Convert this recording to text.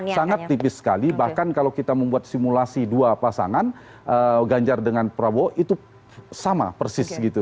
sangat tipis sekali bahkan kalau kita membuat simulasi dua pasangan ganjar dengan prabowo itu sama persis gitu